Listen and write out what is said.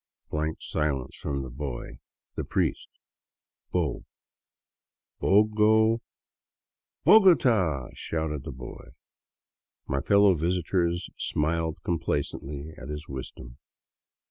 Blank silence from the boy. The priest : "Bo — bogo —'^ "Bogota!" shouted the boy. My fellow visitors smiled complacently at his wisdom.